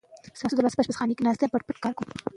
تاسو د کوم لیکوال نظر خوښوئ؟